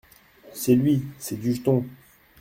C’est lui ! c’est Dujeton…